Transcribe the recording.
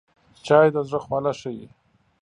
چای د زړه خواله ښيي